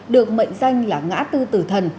được mệnh danh là ngã tư tử thần